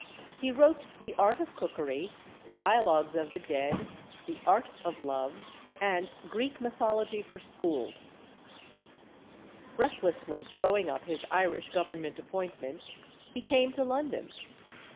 He wrote The Art of Cookery, Dialogues of the Dead, The Art of Love, and Greek Mythology for Schools. Recklessly throwing up his Irish Government appointment, he came to London.